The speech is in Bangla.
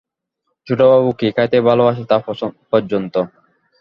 ছোটবাবু কী খাইতে ভালোবাসে তা পর্যন্ত।